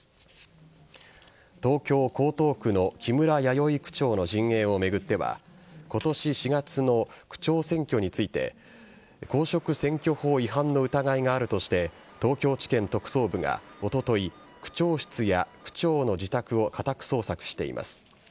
東京・江東区の木村弥生区長の陣営を巡っては今年４月の区長選挙について公職選挙法違反の疑いがあるとして東京地検特捜部がおととい区長室や区長の自宅を家宅捜索しています。